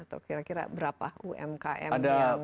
atau kira kira berapa umkm yang